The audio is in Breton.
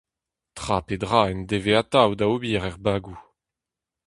Tra pe dra en deze atav da ober er bagoù :